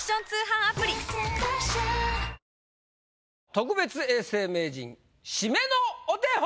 特別永世名人締めのお手本！